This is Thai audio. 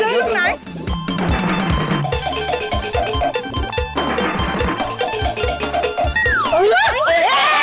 เดี๋ยวเอาลูกมันขายจริงค่ะ